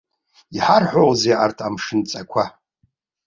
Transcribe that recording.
Иҳарҳәозеи арҭ амшынҵақәа?